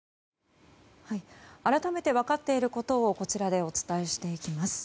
改めて分かっていることをこちらでお伝えしていきます。